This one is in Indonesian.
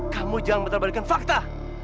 kamu jangan menerbalikan fakta